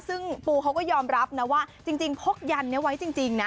ซึ่งปูเขาก็ยอมรับนะว่าจริงพกยันนี้ไว้จริงนะ